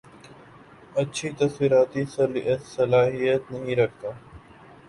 اچھی تصوارتی صلاحیت نہیں رکھتا